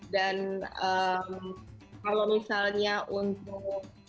dan kalau misalnya untuk